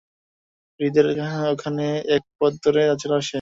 হ্রদের ওখানে একই পথ ধরে যাচ্ছিল সে।